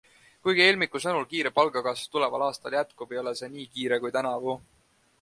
Kuigi Elmiku sõnul kiire palgakasv tuleval aastal jätkub, ei ole see nii kiire kui tänavu.